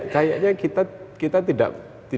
kayaknya kita tidak